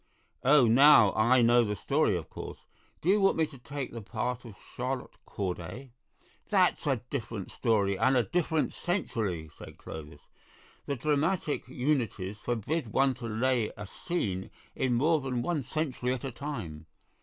"Oh, now I know the story, of course. Do you want me to take the part of Charlotte Corday?" "That's a different story and a different century," said Clovis; "the dramatic unities forbid one to lay a scene in more than one century at a time.